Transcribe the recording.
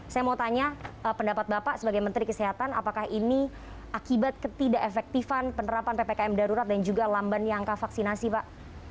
saya mau tanya pendapat bapak sebagai menteri kesehatan apakah ini akibat ketidak efektifan penerapan ppkm darurat dan juga lambannya angka vaksinasi pak